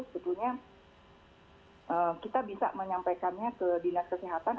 sebetulnya kita bisa menyampaikannya ke dinas kesehatan